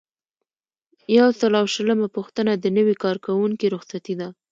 یو سل او شلمه پوښتنه د نوي کارکوونکي رخصتي ده.